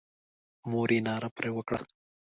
مور یې ناره پر وکړه.